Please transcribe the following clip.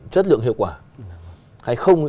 chất lượng hiệu quả hay không